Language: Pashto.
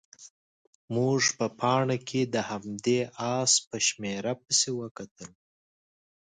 موږ په پاڼه کې د همدې اس په شمېره پسې وکتل.